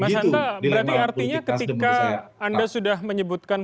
mas hanta berarti artinya ketika anda sudah menyebutkan